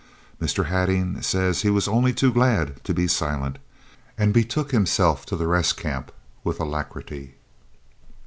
Mr. Hattingh says he was only too glad to "be silent," and betook himself to the Rest Camp with alacrity.